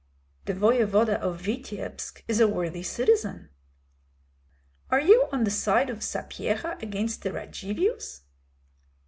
"The voevoda of Vityebsk is a worthy citizen." "Are you on the side of Sapyeha against the Radzivills?"